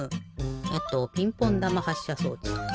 あとピンポンだまはっしゃ装置。